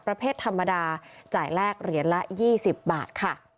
ประเภทธรรมดาจ่ายแลกเหรียญละ๒๐บาทค่ะ